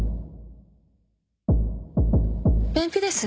便秘です。